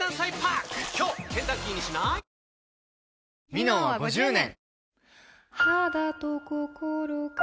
「ミノン」は５０年！